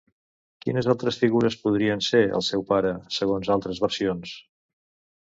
Quines altres figures podrien ser el seu pare, segons altres versions?